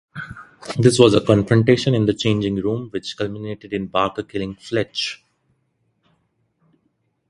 There was a confrontation in the changing rooms, which culminated in Barker killing Fletch.